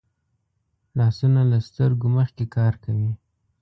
لاسونه له سترګو مخکې کار کوي